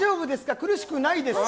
苦しくないですか？